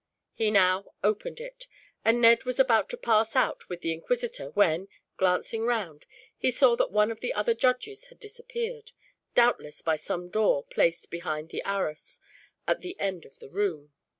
He now opened it, and Ned was about to pass out with the inquisitor when, glancing round, he saw that one of the other judges had disappeared, doubtless by some door placed behind the arras, at the end of the room.